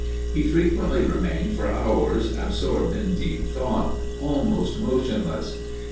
He frequently remained for hours absorbed in deep thought, almost motionless.